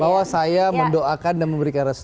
bahwa saya mendoakan dan memberikan restu